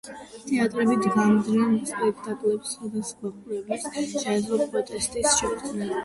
თეატრები დგამდნენ სპექტაკლებს, სადაც მაყურებელს შეეძლო პროტესტის შეგრძნება.